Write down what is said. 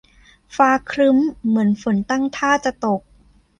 ฟ้าครึ้มเหมือนฝนตั้งท่าจะตก